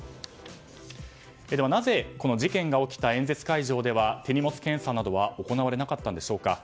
ではなぜこの事件が起きた演説会場では手荷物検査などは行われなかったんでしょうか。